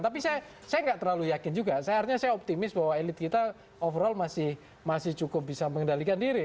tapi saya nggak terlalu yakin juga artinya saya optimis bahwa elit kita overall masih cukup bisa mengendalikan diri